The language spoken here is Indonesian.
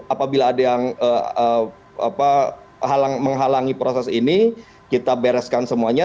apabila ada yang menghalangi proses ini kita bereskan semuanya